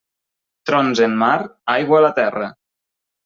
Trons en mar, aigua a la terra.